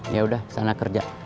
yaudah sana kerja